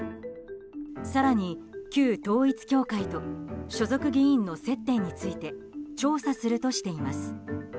更に、旧統一教会と所属議員の接点について調査するとしています。